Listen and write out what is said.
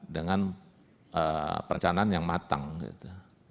dengan perencanaan yang matang gitu